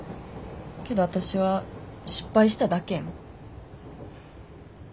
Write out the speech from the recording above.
けど私は失敗しただけやん。